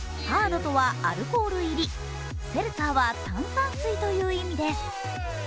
ハードとはアルコール入り、セルツァーは炭酸水という意味です。